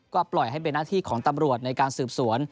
ก็ปล่อยให้เป็นหน้าที่ของตำรวจในการสืบสวน